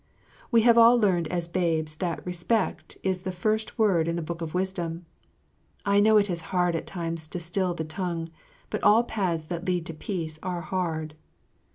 We have all learned as babes that "respect" is the first word in the book of wisdom. I know it is hard at times to still the tongue, but all paths that lead to peace are hard.